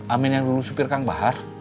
amin yang dulu supir kang bahar